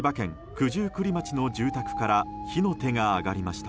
九十九里町の住宅から火の手が上がりました。